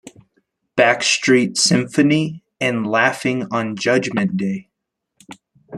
"Backstreet Symphony" and "Laughing on Judgement Day".